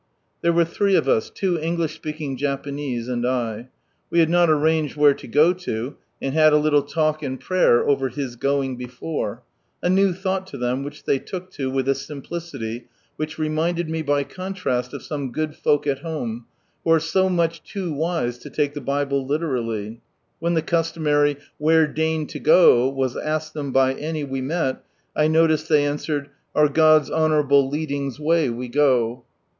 There were three of us — two English speaking Japanese and I. We had not arranged where to go to, and had a little talk and prayer over His "Going Before" — a new thought to them, which they took to, with a simplicity which reminded me Iiy contrast of some good folk at home, who are so much too wise to take the Bibie liierally. When the customary " Where deign to go ?" was asked them by any we met, I noticed they answered " Our God's honourable leading's way we go."